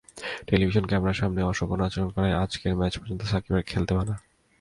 Television ক্যামেরার সামনে অশোভন আচরণ করায় আজকের ম্যাচ পর্যন্ত সাকিবের খেলতে মানা।